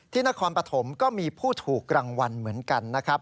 นครปฐมก็มีผู้ถูกรางวัลเหมือนกันนะครับ